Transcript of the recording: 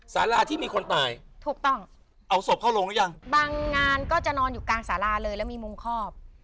สาราที่มีคนตายถูกต้องเอาศพเข้าลงหรือยังบางงานก็จะนอนอยู่กลางสาราเลยแล้วมีมุมคอบ